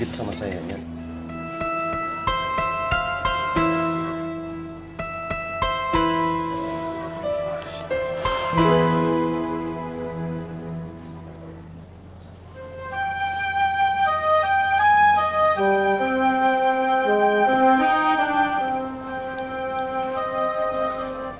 begitu sama saya ya